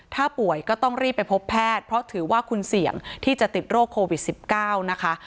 ถ้าป่วยก็ต้องรีบไปพบแพทย์เพราะถือว่าคุณเสี่ยงที่จะติดโรคโควิด๑๙นะคะ